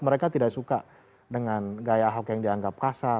mereka tidak suka dengan gaya ahok yang dianggap kasar